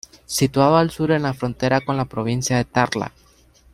Situado al sur en la frontera con la provincia de Tarlac.